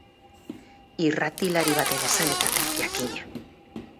Irratilari baten esanetan, jakina.